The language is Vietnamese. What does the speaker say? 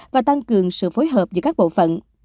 và tăng cường sự phối hợp giữa các bộ phận